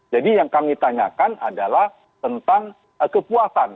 jadi yang kami tanyakan adalah tentang kepuasan